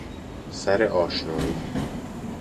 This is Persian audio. سر ﺁشنائی